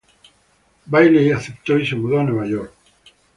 Bailey aceptó y se mudó a Nueva York.